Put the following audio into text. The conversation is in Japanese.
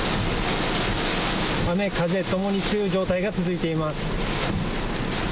雨風ともに強い状態が続いています。